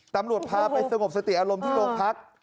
ตำรวจพาไปสงบสติอารมณ์ที่โรงพัก